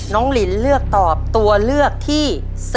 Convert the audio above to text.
ลินเลือกตอบตัวเลือกที่๓